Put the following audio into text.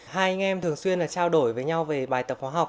hai anh em thường xuyên là trao đổi với nhau về bài tập khoa học